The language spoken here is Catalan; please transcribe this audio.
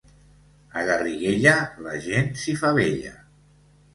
A Garriguella la gent s'hi fa vella.